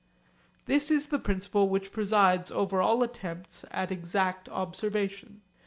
This is the principle which presides over all attempts at exact observation.